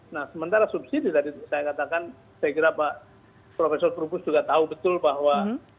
nah sementara subsidi tadi saya katakan saya kira pak profesor trubus juga tahu betul bahwa